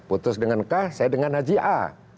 putus dengan k saya dengan haji a